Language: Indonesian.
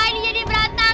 ini jadi berantakan